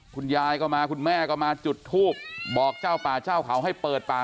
คุณยายก็มาคุณแม่ก็มาจุดทูบบอกเจ้าป่าเจ้าเขาให้เปิดป่า